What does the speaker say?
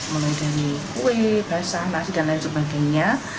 mulai dari kue basah nasi dan lain sebagainya